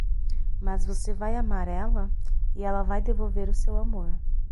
Mas você vai amar ela? e ela vai devolver o seu amor.